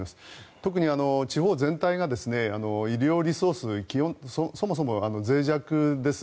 特に地方全体が医療リソースがそもそもぜい弱です。